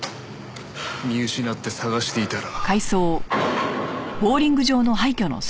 見失って捜していたら。